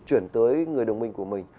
chuyển tới người đồng minh của mình